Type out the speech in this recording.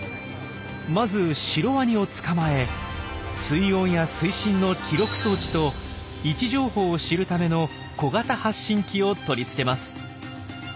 まずシロワニを捕まえ水温や水深の記録装置と位置情報を知るための小型発信器を取り付けます。